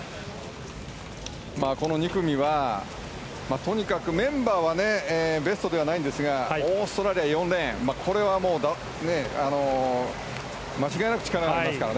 この２組は、とにかくメンバーはベストではないんですがオーストラリアは間違いなく力がありますから。